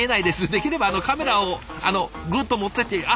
できればあのカメラをあのグッと持ってって。